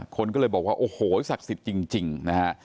คนก็เลยบอกว่าโอ้โหศักดิ์สิทธิ์จริงนะฮะ